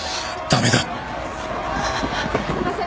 すいません。